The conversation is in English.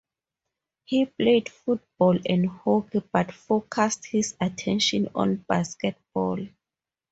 He played football and hockey but focused his attention on basketball.